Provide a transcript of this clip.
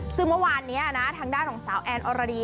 ซึ่งเมื่อวานนี้นะทางด้านของสาวแอนอรดี